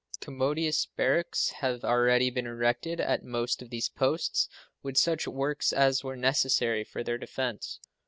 Commodious barracks have already been erected at most of these posts, with such works as were necessary for their defense.